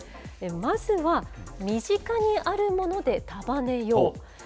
まずは、身近にあるもので束ねよう。